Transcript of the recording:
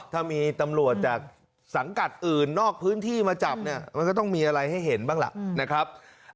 ถ้ามีตำรวจจากสังกัดอื่นนอกพื้นที่มาจับเนี่ยมันก็ต้องมีอะไรให้เห็นบ้างล่ะนะครับ